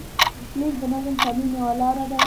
لیک د نظم د تمرین یوه لاره وه.